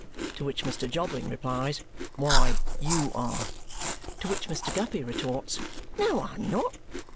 To which Mr. Jobling replies, "Why, YOU are!" To which Mr. Guppy retorts, "No, I am not."